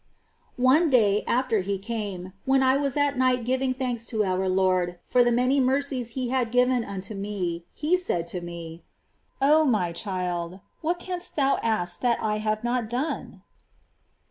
24. One day, after he came, when I was at night giving thanks to our Lord for the many mercies He had given unto me. He said to me : "0 my child, what canst thou ask that I have not done